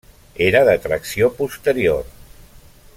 Era de tracció posterior.